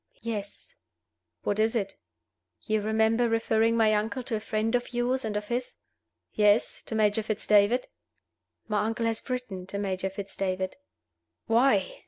"Yes." "What is it?" "You remember referring my uncle to a friend of yours and of his?" "Yes. To Major Fitz David." "My uncle has written to Major Fitz David." "Why?"